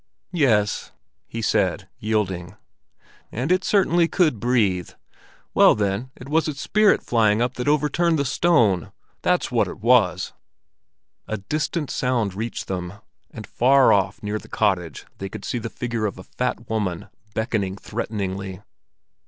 "Yes," he said, yielding; "and it certainly could breathe. Well, then, it was its spirit flying up that overturned the stone—that's what it was!" A distant sound reached them, and far off near the cottage they could see the figure of a fat woman, beckoning threateningly.